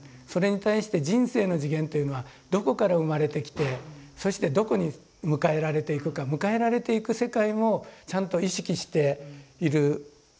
それに対して人生の次元っていうのはどこから生まれてきてそしてどこに迎えられていくか迎えられていく世界もちゃんと意識している。